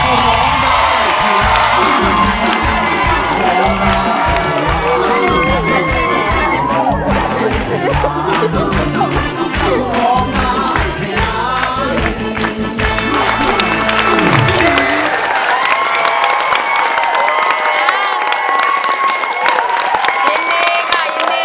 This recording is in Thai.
ยินดีค่ะยินดี